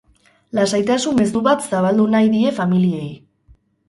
Lasaitasun mezu bat zabaldu nahi die familiei.